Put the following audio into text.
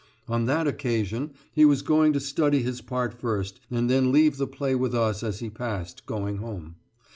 On that occasion he was going to study his part first and then leave the play with us as he passed, going home.